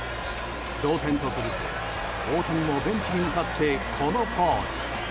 同点とすると大谷もベンチに向かってこのポーズ。